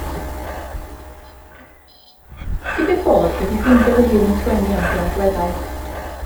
Digwydd bod wedi ffeindio fy hun yn sgwennu am gynadleddau.